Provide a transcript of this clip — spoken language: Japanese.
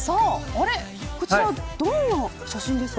こちら、どんな写真ですか。